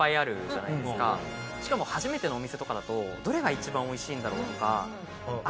しかも初めてのお店とかだとどれが一番おいしいんだろうとか。